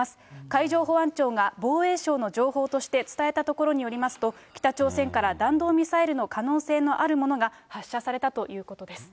海上保安庁が防衛省の情報として伝えたところによりますと、北朝鮮から弾道ミサイルの可能性のあるものが発射されたということです。